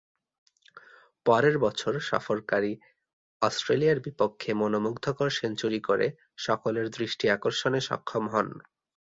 পরের বছর সফরকারী অস্ট্রেলিয়ার বিপক্ষে মনোমুগ্ধকর সেঞ্চুরি করে সকলের দৃষ্টি আকর্ষণে সক্ষম হন।